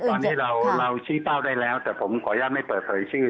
ตอนนี้เราชี้เป้าได้แล้วแต่ผมขออนุญาตไม่เปิดเผยชื่อ